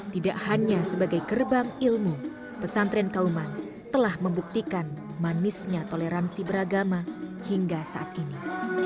tidak hanya sebagai gerbang ilmu pesantren kauman telah membuktikan manisnya toleransi beragama hingga saat ini